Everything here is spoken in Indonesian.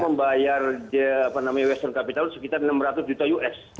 karena pemerintah indonesia dituntut untuk membayar western capital sekitar enam ratus juta us